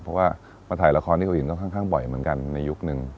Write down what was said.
เพราะว่ามาถ่ายละครที่เกาหลีก็ค่อนข้างบ่อยเหมือนกันในยุคนึง